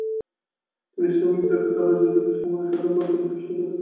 তিনি শ্রমিকদেরকে তাদের ন্যায্য অধিকার সম্বন্ধে সচেতন করে তোলার চেষ্টা করেন।